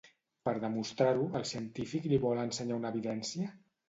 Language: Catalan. Per demostrar-ho, el científic li vol ensenyar una evidència?